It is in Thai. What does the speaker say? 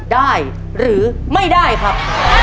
ได้หรือไม่ได้ครับ